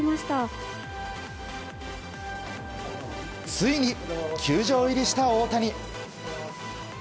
ついに球場入りした大谷。